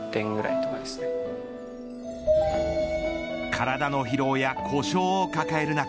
体の疲労や故障を抱える中